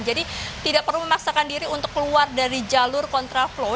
jadi tidak perlu memaksakan diri untuk keluar dari jalur kontra flow